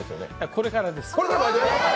これからです。